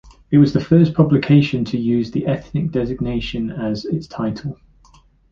It was the first publication to use the ethnic designation as its title.